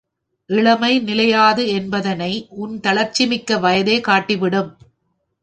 இளமை நிலையாது என்பதனை உன் தளர்ச்சிமிக்க வயதே காட்டிவிடும்.